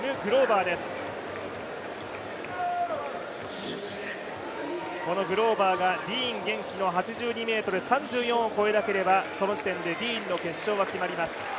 グローバーがディーン元気の記録を越えなければその時点でディーンの決勝が決まります。